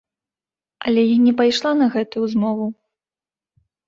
Але я не пайшла на гэтую змову.